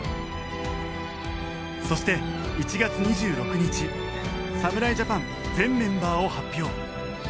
そして１月２６日侍ジャパン全メンバーを発表。